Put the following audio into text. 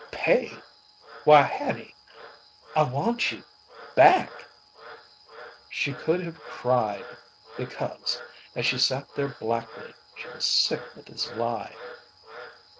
"Pay? Why, Hattie I want you back " She could have cried because, as she sat there blackly, she was sick with his lie.